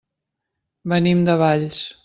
Venim de Valls.